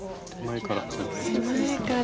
手前から。